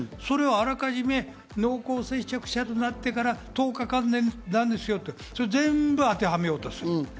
あらかじめ濃厚接触者となってから１０日間なんですよと全部あてはめようとする。